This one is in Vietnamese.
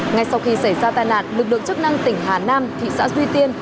ngay sau khi xảy ra tai nạn lực lượng chức năng tỉnh hà nam thị xã duy tiên